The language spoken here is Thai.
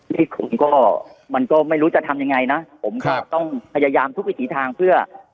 นี่ผมก็มันก็ไม่รู้จะทำยังไงนะผมก็ต้องพยายามทุกวิถีทางเพื่อ